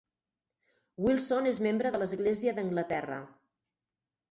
Wilson és membre de l'Església d'Anglaterra.